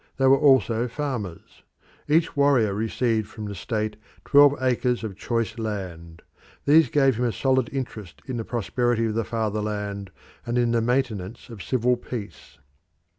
They were also farmers. Each warrior received from the state twelve acres of choice land; these gave him a solid interest in the prosperity of the fatherland and in the maintenance of civil peace.